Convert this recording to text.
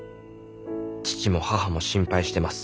父も母も心配してます。